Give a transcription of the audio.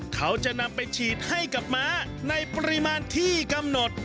เขาจะนำไปฉีดให้กับม้าในปริมาณที่กำหนด